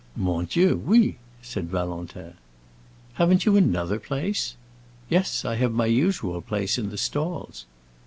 "Mon Dieu, oui," said Valentin. "Haven't you another place?" "Yes, I have my usual place, in the stalls."